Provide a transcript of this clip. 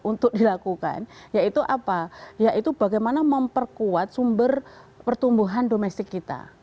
untuk dilakukan yaitu apa yaitu bagaimana memperkuat sumber pertumbuhan domestik kita